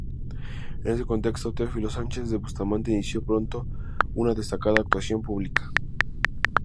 En ese contexto, Teófilo Sánchez de Bustamante inició pronto una destacada actuación pública.